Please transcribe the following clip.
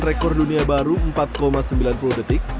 rekor dunia baru empat sembilan puluh detik